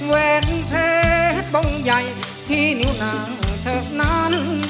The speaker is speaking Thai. เวทเพชรบงใหญ่ที่นิวนางเถิกนั้น